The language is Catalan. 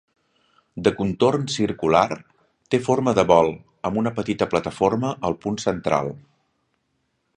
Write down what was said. De contorn circular, té forma de bol, amb una petita plataforma al punt central.